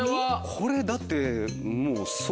これだってもう。